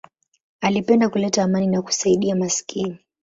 Alipenda kuleta amani na kusaidia maskini.